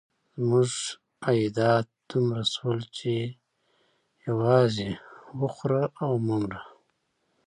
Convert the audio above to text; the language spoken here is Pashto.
زموږ عایدات دومره شول چې یوازې وخوره او مه مره.